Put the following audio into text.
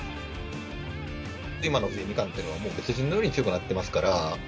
今の藤井二冠というのは、もう別人のように強くなってますから。